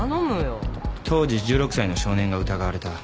当時１６歳の少年が疑われた。